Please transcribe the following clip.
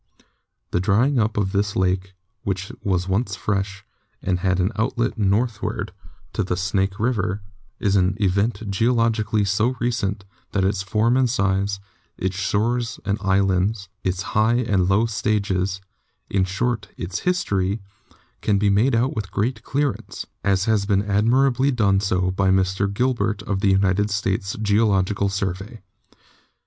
The drying up of this lake, which was once fresh, and had an outlet northward to ^54 GEOLOGY the Snake River, is an event geologically so recent that its form and size, its shores and islands, its high and low stages — in short, its history — can be made out with great clearness, as has been admirably done by Mr. Gilbert of the United States Geological Survey.